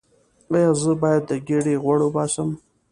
ایا زه باید د ګیډې غوړ وباسم؟